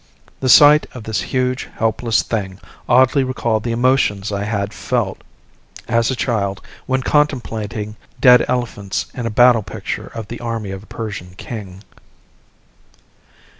The sight of this huge, helpless thing oddly recalled the emotions I had felt, as a child, when contemplating dead elephants in a battle picture of the army of a Persian king.